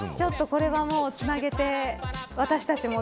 これはつなげて、私たちも